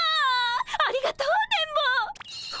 ありがとう電ボ！